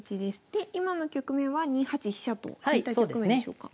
で今の局面は２八飛車と引いた局面でしょうか？